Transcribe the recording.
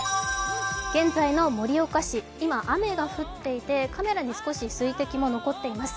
現在の盛岡市、雨が降っていてカメラに少し水滴も残っています。